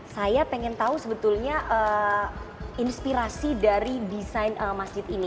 saya pengen tahu sebetulnya inspirasi dari desain masjid ini